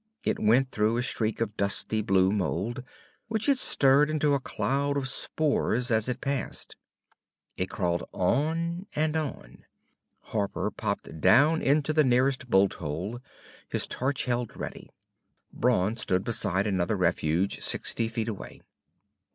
It went through a streak of dusty blue mould, which it stirred into a cloud of spores as it passed. It crawled on and on. Harper popped down into the nearest bolt hole, his torch held ready. Brawn stood beside another refuge, sixty feet away.